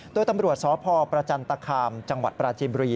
โดยตำรวจสพประจันตคามจังหวัดปราจิมบุรี